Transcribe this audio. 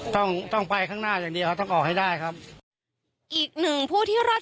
ตอนนั้นพี่ถังเหลี่ยวหลังไปดูไหมไม่ดูแล้วครับ